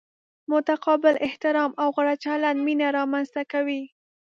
متقابل احترام او غوره چلند مینه را منځ ته کوي.